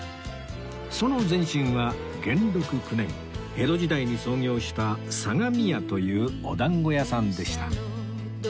その前身は元禄９年江戸時代に創業した相模屋というお団子屋さんでした